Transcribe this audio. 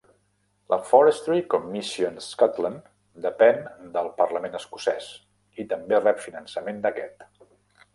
La Forestry Commission Scotland depèn del parlament escocès, i també rep finançament d'aquest.